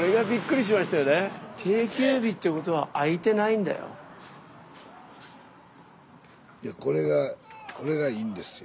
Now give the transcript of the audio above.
スタジオいやこれがこれがいいんですよ。